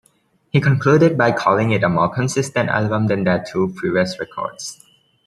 He concluded by calling it "a more consistent album than their two previous records".